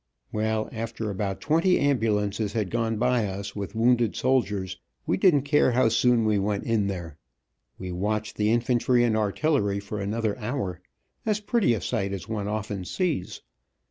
Well, after about twenty ambulances had gone by us with wounded soldiers, we didn't care how soon we went in there. We watched the infantry and artillery for another hour, as pretty a sight as one often sees.